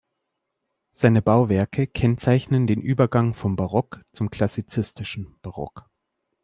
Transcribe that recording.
Seine Bauwerke kennzeichnen den Übergang vom Barock zum klassizistischen Barock.